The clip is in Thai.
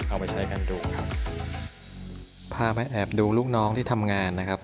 เอาไปใช้กันดูครับพาไปแอบดูลูกน้องที่ทำงานนะครับ